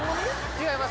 違います